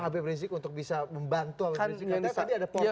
habib rizieq untuk bisa membantu habib rizieq